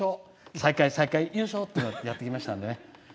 最下位、最下位、優勝ってやってきましたんでね